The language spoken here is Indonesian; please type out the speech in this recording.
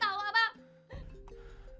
kamu apaan ness